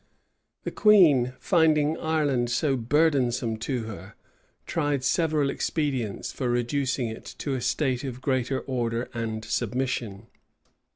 [*] The queen, finding Ireland so burdensome to her, tried several expediants for reducing it to a state of greater order and submission.